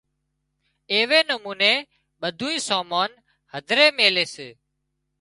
ايوي نموني ٻڌونئين سامان هڌري ميلي سي